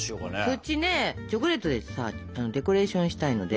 そっちねチョコレートでさデコレーションしたいので。